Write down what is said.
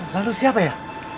lalu siapa ya